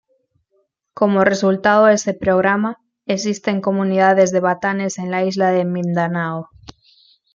Como resultado de ese programa, existen comunidades de batanes en las isla de Mindanao.